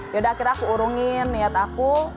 yaudah akhirnya aku urungin niat aku